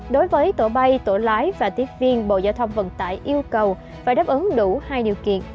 đối với tổ bay tổ lái và tiếp viên bộ giao thông vận tải yêu cầu phải đáp ứng đủ hai điều kiện